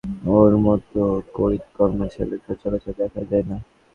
ওর মতো কড়িতকর্মা ছেলে সচরাচর দেখাই যায় না!